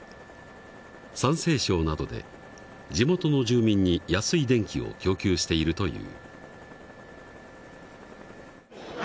山西省などで地元の住民に安い電気を供給しているという。